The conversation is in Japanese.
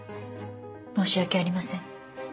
申し訳ありません。